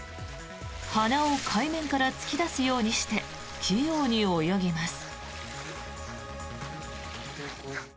鼻を海面から突き出すようにして器用に泳ぎます。